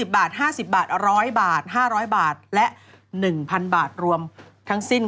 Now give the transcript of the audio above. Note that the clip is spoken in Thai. บาท๕๐บาท๑๐๐บาท๕๐๐บาทและ๑๐๐๐บาทรวมทั้งสิ้น